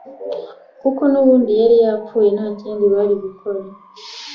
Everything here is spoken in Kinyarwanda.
kuko nubundi yari yapfuye nta kindi bari gukora